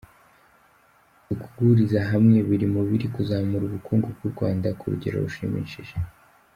Uku guhuriza hamwe biri Mubiri Kuzamura ubukungu bw’u Rwanda k’urugerorushimishije.